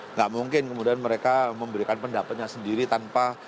nggak mungkin kemudian mereka memberikan pendapatnya sendiri tanpa